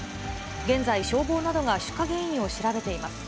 現在、消防などが出火原因を調べています。